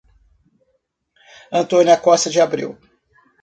Antônia Costa de Abreu